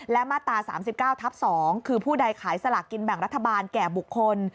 และมาตรา๓๙ทับ๒คือผู้ใดขายสลากกินแบ่งรัฐบาลแก่บุคคล